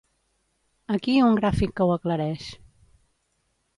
Aquí un gràfic que ho aclareix.